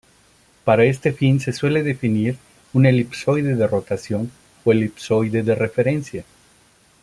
Para este fin se suele definir un Elipsoide de rotación o Elipsoide de referencia.